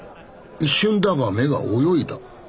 一瞬だが目が泳いだ。